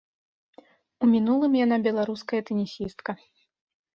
У мінулым яна беларуская тэнісістка.